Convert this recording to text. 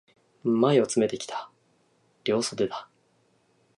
前を詰めてきた、両襟だ。